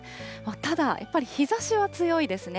ただ、やっぱり日ざしは強いですね。